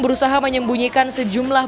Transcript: berusaha menyembunyikan sejumlah